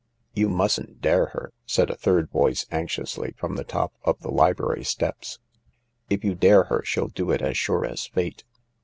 " "You mustn't dare her," said a third voice anxiously from the top of the library steps ;" if you dare her she'll do it as sure as Fate."